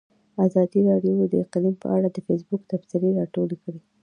ازادي راډیو د اقلیم په اړه د فیسبوک تبصرې راټولې کړي.